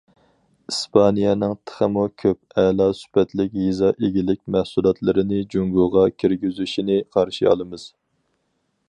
ئىسپانىيەنىڭ تېخىمۇ كۆپ ئەلا سۈپەتلىك يېزا ئىگىلىك مەھسۇلاتلىرىنى جۇڭگوغا كىرگۈزۈشىنى قارشى ئالىمىز.